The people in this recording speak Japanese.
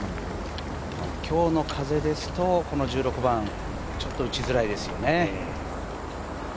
今日の風ですとこの１６番、ちょっと打ちづらいですよね。